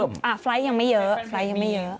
แต่ไฟล์ทยังไม่เยอะไฟล์ทยังไม่เยอะแต่ไฟล์ทยังไม่เยอะ